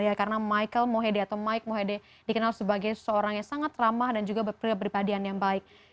ya karena michael mohede atau mike mohede dikenal sebagai seseorang yang sangat ramah dan juga berperibadian yang baik